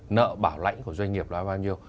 nợ bảo lãnh của doanh nghiệp là bao nhiêu